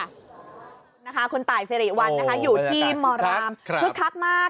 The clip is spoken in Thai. ขอบคุณค่ะคุณต่ายซีรีส์วันนะคะอยู่ทีมมรามฮึกคักมาก